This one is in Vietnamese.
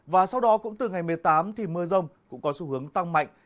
và sau đó cũng từ ngày một mươi tám thì mưa rông cũng có xu hướng tăng mạnh